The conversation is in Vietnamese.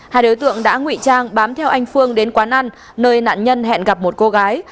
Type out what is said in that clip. hai đối tượng đã ngụy trang bám theo anh phương đến quán ăn nơi nạn nhân hẹn gặp một cô gái